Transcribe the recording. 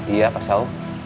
iya pak saul